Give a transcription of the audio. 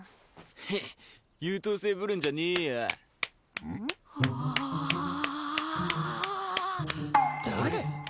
ヘッ優等生ぶるんじゃねえやはあ誰？